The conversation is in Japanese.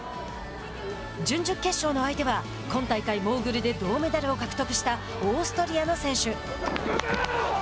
準々決勝の相手は今大会モーグルで銅メダルを獲得したオーストリアの選手。